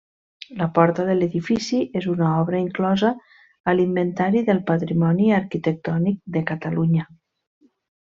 La porta de l'edifici és una obra inclosa a l'Inventari del Patrimoni Arquitectònic de Catalunya.